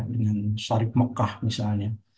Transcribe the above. dengan syarif mekah misalnya